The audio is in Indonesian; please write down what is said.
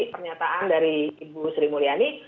pernyataan dari ibu sri mulyani